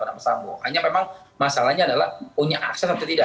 hanya memang masalahnya adalah punya akses atau tidak